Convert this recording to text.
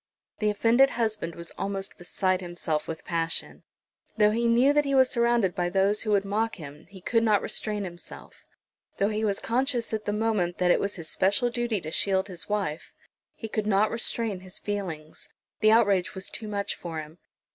The offended husband was almost beside himself with passion. Though he knew that he was surrounded by those who would mock him he could not restrain himself. Though he was conscious at the moment that it was his special duty to shield his wife, he could not restrain his feelings. The outrage was too much for him.